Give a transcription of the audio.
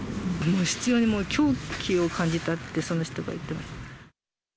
執ように、狂気を感じたって、その人が言ってました。